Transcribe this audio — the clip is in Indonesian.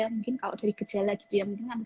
mungkin kalau dari gejala mungkin